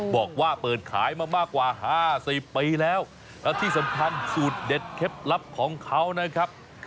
บอกว่าเปิดขายมามากกว่า๕๐ปีแล้วแล้วที่สำคัญสูตรเด็ดเคล็ดลับของเขานะครับ